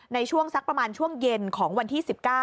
ในช่วงสักประมาณช่วงเย็นของวันที่๑๙